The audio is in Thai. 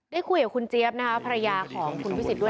ได้คุยกับคุณเจี๊ยบนะครับพระยาของพิษศิษฐ์ด้วย